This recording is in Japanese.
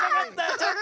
ちょっと！